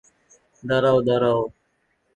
দাঁড়াও, দাঁড়াও!